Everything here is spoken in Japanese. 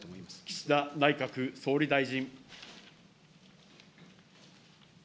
岸田内閣総理大臣。